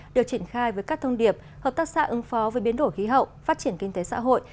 được triển khai với các thông điệp hợp tác xã ứng phó với biến đổi khí hậu phát triển kinh tế xã hội